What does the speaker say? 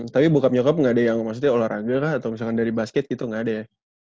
tapi bukap nyokap gak ada yang maksudnya olahraga kak atau misalnya dari basket gitu gak ada ya